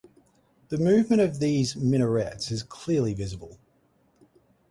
The movement of these minarets is clearly visible.